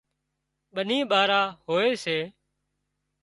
ٻني ٻارا هوئي سي